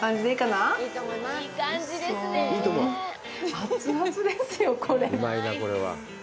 熱々ですよ、これ。